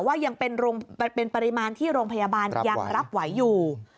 ว่ายังเป็นปริมาณที่โรงพยาบาลยังรับไหวอยู่